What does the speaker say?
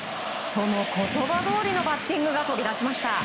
その言葉どおりのバッティングが飛び出しました。